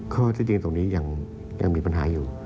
ก็ที่จริงตรงนี้ยังมีปัญหาอยู่